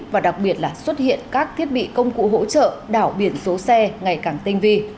và đặc biệt là xuất hiện các thiết bị công cụ hỗ trợ đảo biển số xe ngày càng tinh vi